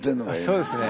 そうですね。